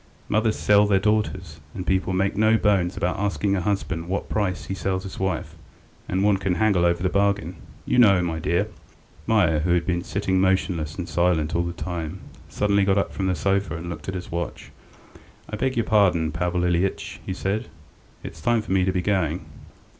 ... Mothers sell their daughters, and people make no bones about asking a husband at what price he sells his wife, and one can haggle over the bargain, you know, my dear. ..." Meier, who had been sitting motionless and silent all the time, suddenly got up from the sofa and looked at his watch. "I beg your pardon, Pavel Ilyitch," he said, "it is time for me to be going."